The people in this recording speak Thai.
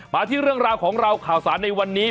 มาที่เรื่องราวของเราข่าวสารในวันนี้